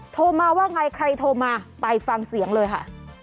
โทรมาว่าไงใครโทรมาไปฟังเสียงเลยค่ะ